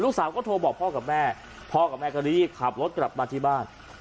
สาวก็โทรบอกพ่อกับแม่พ่อกับแม่ก็รีบขับรถกลับมาที่บ้าน